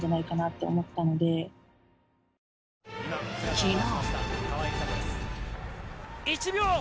昨日。